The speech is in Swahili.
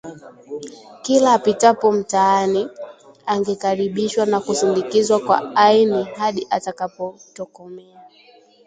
Kila apitapo mtaani, angekaribishwa na kusindikizwa kwa aini hadi atakapotokomea